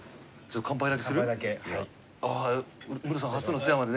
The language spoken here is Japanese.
あっムロさん初の津やまでね。